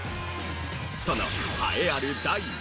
その栄えある第１位は。